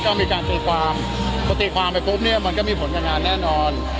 แล้วก็มีการติดความติดความไปปุ๊บเนี่ยมันก็มีผลกันนานแน่นอน